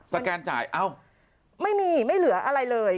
แกนจ่ายเอ้าไม่มีไม่เหลืออะไรเลย